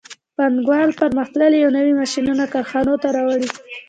پانګوال پرمختللي او نوي ماشینونه کارخانو ته راوړي